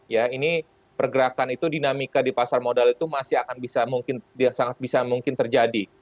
ya ini pergerakan itu dinamika di pasar modal itu masih akan bisa mungkin sangat bisa mungkin terjadi